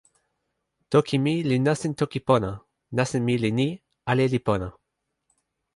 toki mi li nasin toki pona. nasin mi li ni: ale li pona!